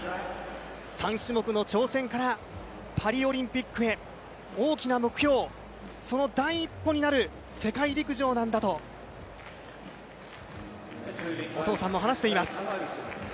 ３種目の挑戦からパリオリンピックへ大きな目標、その第一歩になる世界陸上なんだとお父さんも話しています。